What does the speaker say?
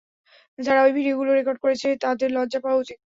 যারা ওই ভিডিওগুলো রেকর্ড করেছে তাদের লজ্জা পাওয়া উচিত।